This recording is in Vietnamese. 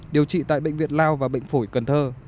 điều trị tại bệnh viện lao và bệnh phổi cần thơ